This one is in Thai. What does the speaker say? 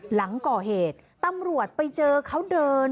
หลังก่อเหตุตำรวจไปเจอเขาเดิน